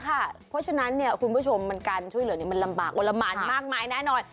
เพราะฉะนั้นคุณผู้ชมเวลานี้รำบากมากมายแน่นอน